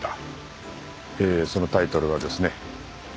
えーそのタイトルはですね